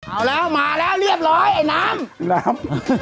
เอาแล้วมาแล้วเรียบร้อยไอ้น้ำแล้ว